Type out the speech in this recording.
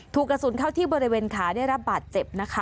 ถูกกระสุนเข้าที่บริเวณขาได้รับบาดเจ็บนะคะ